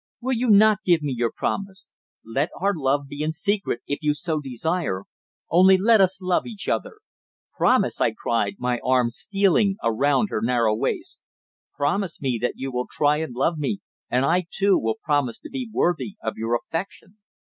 "Will you not give me your promise? Let our love be in secret, if you so desire only let us love each other. Promise me!" I cried, my arm stealing around her narrow waist. "Promise me that you will try and love me, and I, too, will promise to be worthy of your affection."